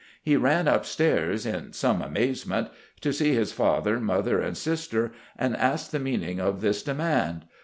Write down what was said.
He ran upstairs, in some amazement, to see his father, mother, and sister, and ask the meaning of this demand.